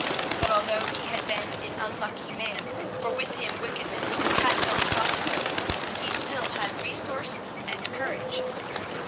But although he had been an unlucky man, for with him wickedness had not prospered, he still had resource and courage.